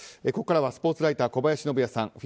ここからはスポーツライター小林信也さん